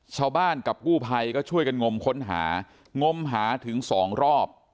ชาวบ้านกับกู้ภัยก็ช่วยกันงมค้นหางมหาถึงสองรอบ